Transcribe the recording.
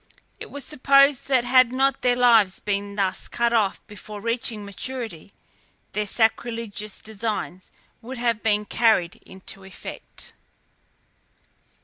It was supposed that had not their lives been thus cut off before reaching maturity, their sacrilegious designs would have been carried into effect.